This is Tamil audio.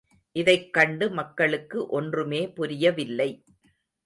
இதைக் கண்டு மக்களுக்கு ஒன்றுமே புரிய வில்லை.